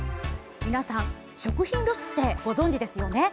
皆さん食品ロスってご存じですよね？